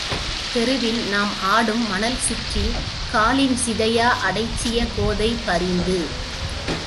தெருவில் நாம் ஆடும் மணற் சிற்றில் காலின் சிதையா அடைச்சிய கோதை பரிந்து.